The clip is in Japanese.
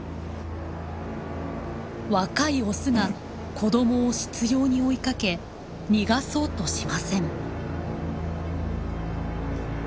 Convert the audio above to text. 若いオスが子どもを執ように追いかけ逃がそうとしません。